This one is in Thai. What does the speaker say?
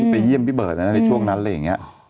ไปเยี่ยมพี่เบิร์ดในช่วงนั้น